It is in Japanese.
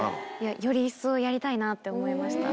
より一層やりたいなって思いました。